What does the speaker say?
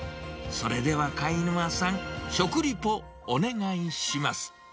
それでは貝沼さん、食リポ、お願いします。